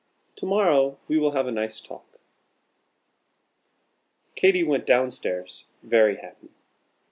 To morrow we will have a nice talk." Katy went down stairs very happy.